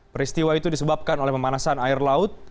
peristiwa itu disebabkan oleh pemanasan air laut